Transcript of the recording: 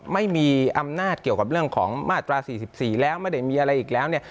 ไม่มีอำนาจเกี่ยวกับเรื่องของมาตรา๔๔แล้วไม่ได้มีอะไรอีกแล้วเนี่ย